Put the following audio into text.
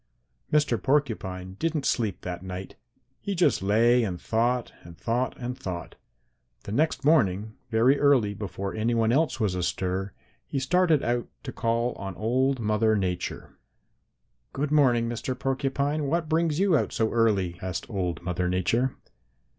"Mr. Porcupine didn't sleep that night. He just lay and thought and thought and thought. The next morning, very early, before any one else was astir, he started out to call on old Mother Nature. "'Good morning, Mr. Porcupine, what brings you out so early?' asked old Mother Nature.